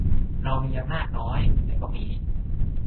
เรามีอำนาจน้อย แต่ก็มี